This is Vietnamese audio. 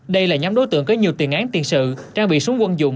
đây là nhóm đối tượng có nhiều tiền án tiền sự trang bị súng quân dụng